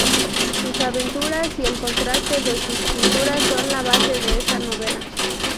Sus aventuras y el contraste de sus culturas, son la base de esta novela.